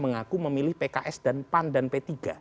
mengaku memilih pks dan pan dan p tiga